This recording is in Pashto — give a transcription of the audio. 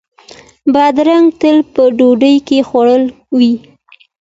بادرنګ تل په ډوډۍ کې خواږه وي.